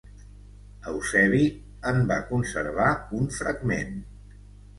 Eusebi en va conservar un fragment.